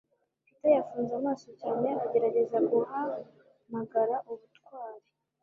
Peter yafunze amaso cyane agerageza guhamagara ubutwari.